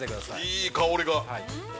◆いい香りが。